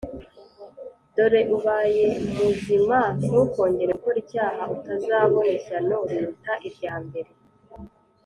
“Dore ubaye muzima, ntukongere gukora icyaha, utazabona ishyano riruta irya mbere.”